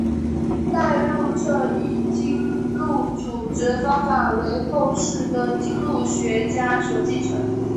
代录这一经录组织方法为后世的经录学家所继承。